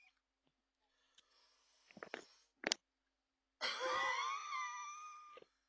Oyo tunagabanira mitala y'akuseera .